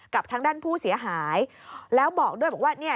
กับทางด้านผู้เสียหายแล้วบอกด้วยบอกว่าเนี่ย